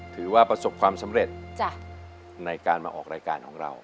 ถือว่าประสบความสำเร็จในการมาออกรายการของเรา